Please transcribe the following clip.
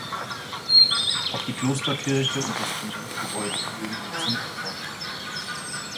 Auch die Klosterkirche und das Konventgebäude fielen ihm zum Opfer.